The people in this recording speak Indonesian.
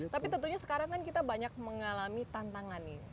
tapi tentunya sekarang kan kita banyak mengalami tantangan ini